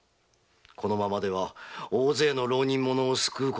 このままでは大勢の浪人者を救うことはできん。